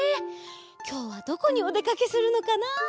きょうはどこにおでかけするのかな。